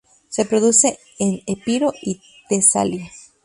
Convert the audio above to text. Se produce en Epiro y Tesalia.